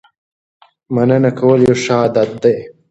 مننه کول یو ښه عادت دی.